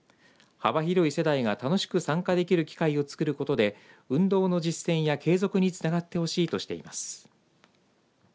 幅広い世代が楽しく参加できる機会をつくることで運動の実践や継続につながってほしいとしています。